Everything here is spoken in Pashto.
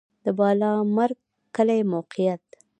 د بالامرګ کلی موقعیت